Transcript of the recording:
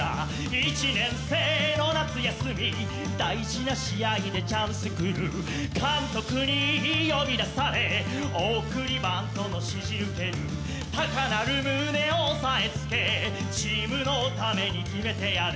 「１年生の夏休み大事な試合でチャンスくる」「監督に呼び出され送りバントの指示受ける」「高鳴る胸を押さえつけチームのために決めてやれ」